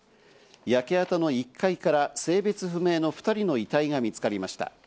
焼け跡の１階から性別不明の２人の遺体が見つかりました。